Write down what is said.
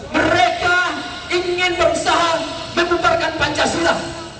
mereka ingin berusaha menukarkan pancasila